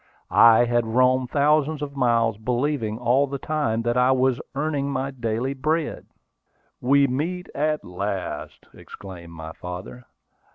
I had roamed thousands of miles, believing all the time that I was earning my daily bread. "We meet at last!" exclaimed my father.